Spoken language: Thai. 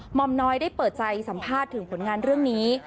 อมน้อยได้เปิดใจสัมภาษณ์ถึงผลงานเรื่องนี้